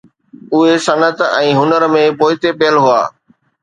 اهي صنعت ۽ هنر ۾ پوئتي پيل هئا